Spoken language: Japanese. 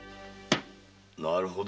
なるほど。